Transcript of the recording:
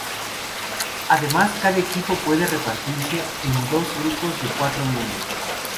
Además, cada equipo puede repartirse en dos grupos de cuatro miembros.